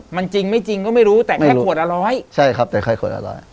มันจริงไม่จริงก็ไม่รู้แต่แค่ขวดอร้อย